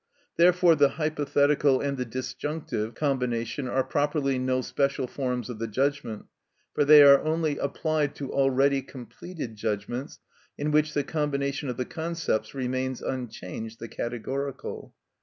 Therefore the hypothetical and the disjunctive combination are properly no special forms of the judgment; for they are only applied to already completed judgments, in which the combination of the concepts remains unchanged the categorical.